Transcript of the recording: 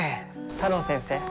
太郎先生。